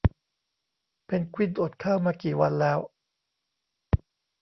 เพนกวินอดข้าวมากี่วันแล้ว